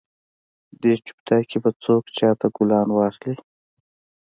دې چوپیتا کې به څوک چاته ګلان واخلي؟